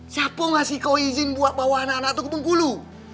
siapa ngasih kau izin buat bawa anak anak itu ke bengkulu